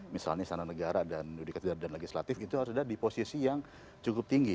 misalnya istana negara dan legislatif itu harus ada di posisi yang cukup tinggi